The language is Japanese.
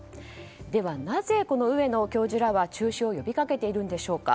ではなぜこの上野教授らは中止を呼びかけているんでしょうか。